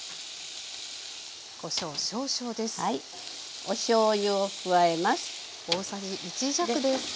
おしょうゆを加えます。